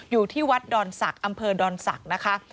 อยู่ที่วัดดอนศักดิ์อำเภอดอนศักดิ์นะคะ